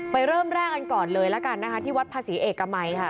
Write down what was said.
เริ่มแรกกันก่อนเลยละกันนะคะที่วัดภาษีเอกมัยค่ะ